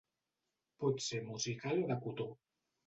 Pot ser musical o de cotó.